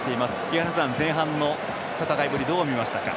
井原さん、前半の戦いぶりどう見ましたか？